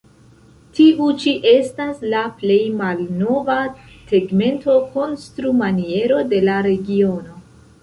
Tiu ĉi estas la plej malnova tegmento-konstrumaniero de la regiono.